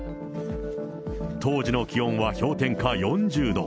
当時の気温は氷点下４０度。